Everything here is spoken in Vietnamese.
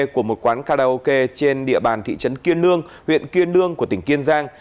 của một quán karaoke trên địa bàn thị trấn kiên nương huyện kiên nương của tỉnh kiên giang